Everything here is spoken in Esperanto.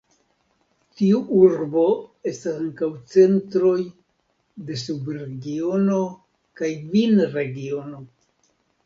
Tiu urbo estas ankaŭ centroj de subregiono kaj vinregiono.